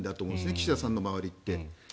岸田さんの周りって。